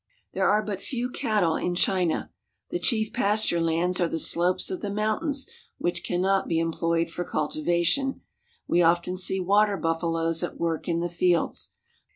There are but few cattle in China. The chief pasture CHINESE FARMS AND FARMING 159 lands are the slopes of the mountains which cannot be em ployed for cultivation. We often see water buffaloes at work in the fields.